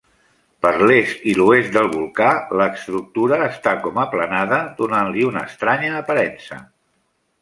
Per l'est i l'oest del volcà, l'estructura està com aplanada, donant-li una estranya aparença.